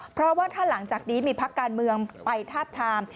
เพราะว่าถ้าหลังจากนี้มีพักการเมืองไปทาบทาม